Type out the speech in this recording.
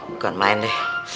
bukan main deh